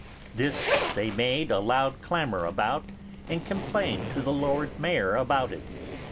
This they made a loud clamour about, and complained to the Lord Mayor about it.